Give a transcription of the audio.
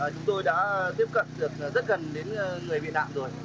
chúng tôi đã tiếp cận được rất gần đến người bị nạn rồi